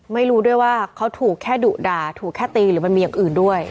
ไม่รู้ด้วยว่าเขาถูกแค่ดุด่าถูกแค่ตีหรือมันมีอย่างอื่นด้วย